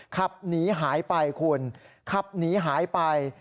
ขับหนีหายไปคุณขับหนีหายไป